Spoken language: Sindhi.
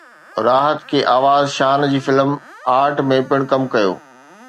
راحت ڪي آواز شان جي فلم ارٿ ۾ پڻ ڪم ڪيو